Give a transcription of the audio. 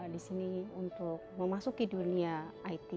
di sini untuk memasuki dunia it